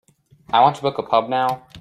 I want to book a pub now.